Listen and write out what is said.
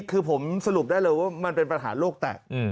คือผมสรุปได้เลยว่ามันเป็นปัญหาโลกแตะ